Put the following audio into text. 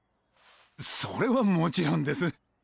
それはもちろんです。